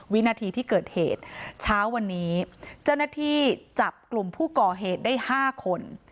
วินาทีที่เกิดเหตุเช้าวันนี้เจ้าหน้าที่จับกลุ่มผู้ก่อเหตุได้๕คน